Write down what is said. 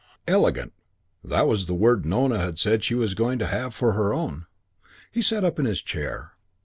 "Elegant." That was the word Nona had said she was going to have for her own. He sat up in his chair.